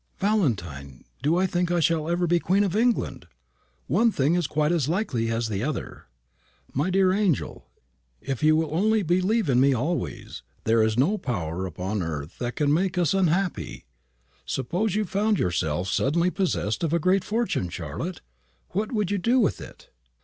"Valentine! Do I think I shall ever be Queen of England? One thing is quite as likely as the other." "My dear angel, if you will only believe in me always, there is no power upon earth that can make us unhappy. Suppose you found yourself suddenly possessed of a great fortune, Charlotte; what would you do with it?"